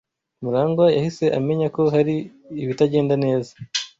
Murangwa yahise amenya ko hari ibitagenda neza.